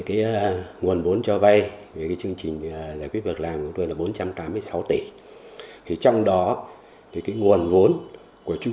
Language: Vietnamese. các mô hình này được vay từ quỹ quốc gia giải quyết việc làm đã hỗ trợ rất lớn cho vấn đề giải quyết việc làm tại chỗ